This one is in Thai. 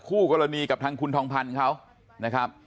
คู่กรณีกับทางคุณทองพันธ์เขานะครับ